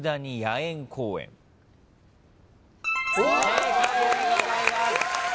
正解でございます。